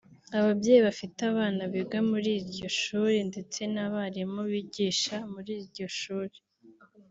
ababyeyi bafite abana biga muri iryo shuri ndetse n’abarimu bigisha muri iryo shuri